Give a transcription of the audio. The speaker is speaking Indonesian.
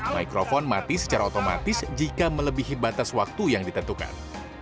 mikrofon mati secara otomatis jika melebihi batas waktu yang ditentukan